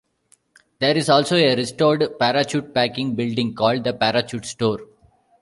There is also a restored parachute packing building, called "The Parachute Store".